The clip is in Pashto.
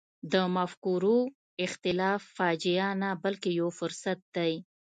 د مفکورو اختلاف فاجعه نه بلکې یو فرصت دی.